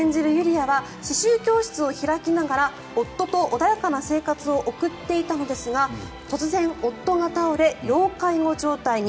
あは刺しゅう教室を開きながら夫と穏やかな生活を送っていたのですが突然夫が倒れ、要介護状態に。